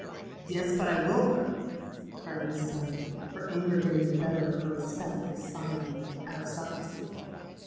'—'Yes, but I will though,' cried Mrs. Lambkin, her anger getting the better of her respect for the scion of aristocracy.